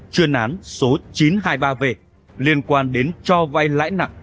chuyên án số chín trăm hai mươi ba v liên quan đến cho vay lãi nặng